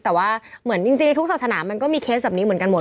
แต่ว่าเหมือนจริงในทุกศาสนามันก็มีเคสแบบนี้เหมือนกันหมด